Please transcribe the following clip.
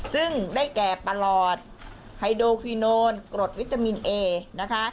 ซึ่งได้แก่ประหลอดไฮโดคีโนนกรดวิตามินเอนะคะ